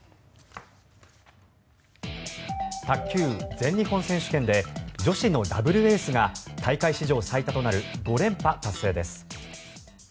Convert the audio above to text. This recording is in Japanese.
卓球全日本選手権で女子のダブルエースが大会史上最多となる５連覇達成です。